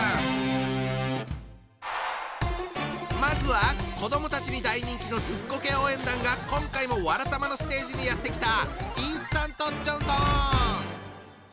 まずは子どもたちに大人気のずっこけ応援団が今回も「わらたま」のステージにやって来た！